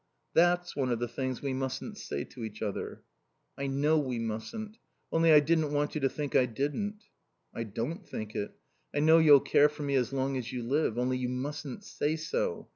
"That's one of the things we mustn't say to each other." "I know we mustn't. Only I didn't want you to think I didn't." "I don't think it. I know you'll care for me as long as you live. Only you mustn't say so.